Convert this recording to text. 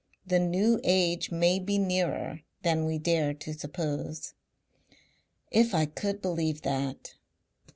The New Age may be nearer than we dare to suppose." "If I could believe that!"